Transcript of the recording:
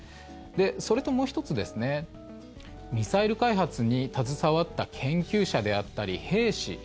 それともう１つミサイル開発に携わった研究者であったり兵士